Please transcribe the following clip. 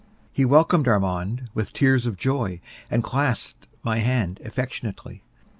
He welcomed Armand with tears of joy, and clasped my hand affectionately.